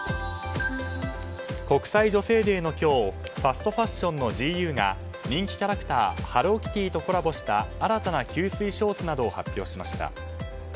国際女性デーの今日ファストファッションのジーユーが人気キャラクターハローキティとコラボした新たな吸水ショーツなどを発表しました。